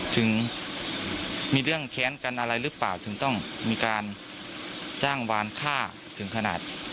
ถึงมีเรื่องแค้นกันอะไรหรือเปล่าถึงต้องมีการจ้างวานฆ่าถึงขนาด